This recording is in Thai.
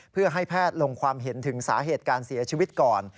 เพื่อให้แพทย์ลงความเห็นถึงสาเหตุการเสียชีวิตก่อน